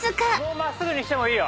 「真っすぐにしていいよ。